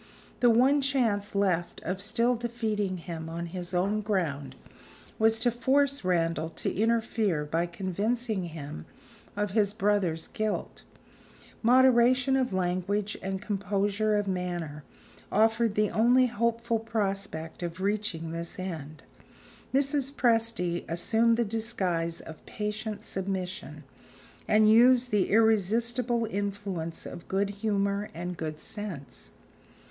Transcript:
The one chance left of still defeating him on his own ground was to force Randal to interfere by convincing him of his brother's guilt. Moderation of language and composure of manner offered the only hopeful prospect of reaching this end. Mrs. Presty assumed the disguise of patient submission, and used the irresistible influence of good humor and good sense.